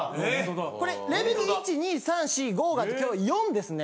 これレベル１・２・３・４・５があって今日４ですね。